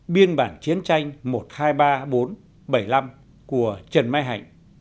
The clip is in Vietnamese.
biên bản chiến tranh một nghìn hai trăm ba mươi bốn bảy mươi năm của trần mai hạnh